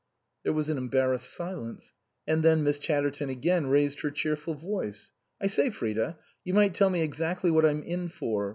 There was an embarrassed silence ; and then Miss Chatterton again raised her cheerful voice. " I say, Fridah ! you might tell me exactly what I'm in for.